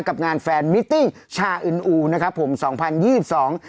กับงานแฟนมิตตี้ชาอึนอูนะครับผมสองพันยี่สิบสอง